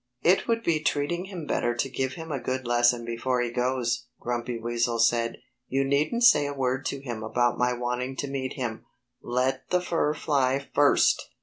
"It would be treating him better to give him a good lesson before he goes," Grumpy Weasel said. "You needn't say a word to him about my wanting to meet him. Let the fur fly first!